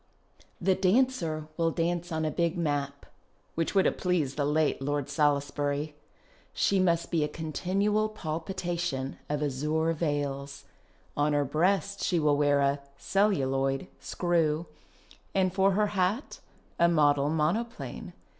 The dancer \\all dance on a big map (which would have pleased the late Lord Salisbury). She must be a continual palpitation of azure veils. On her breast she will wear a (celluloid) screw, and for her hat a model monoplane.